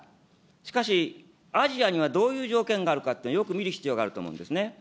しかし、アジアにはどういう条件があるかと、よく見る必要があると思うんですね。